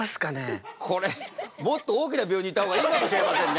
これもっと大きな病院に行った方がいいかもしれませんね。